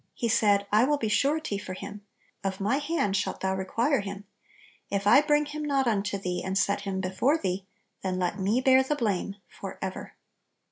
He said, "I will be surety for him; of my hand shalt thou require him: if I bring him not unto thee, and set him before thee, then let me bear the blame forever."